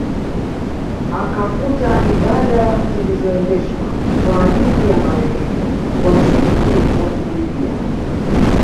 Akafuta ibada zilizoendeshwa kwa ajili ya marehemu kwa msingi wa kulipia